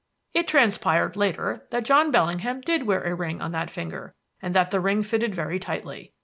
"It transpired later that John Bellingham did wear a ring on that finger and that the ring fitted very tightly.